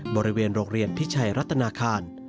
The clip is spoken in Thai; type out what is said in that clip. บริเวณโรงเรียนพิชัยรัฐนาคาร